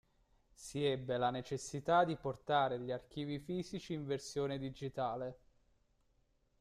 Si ebbe la necessità di portare gli archivi fisici in versione digitale.